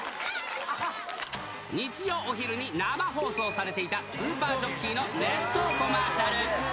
日曜お昼に生放送されていたスーパーＪＯＣＫＥＹの熱湯コマーシャル。